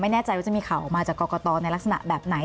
ไม่แน่ใจว่าจะมีข่าวออกมาจากกรกตในลักษณะแบบไหน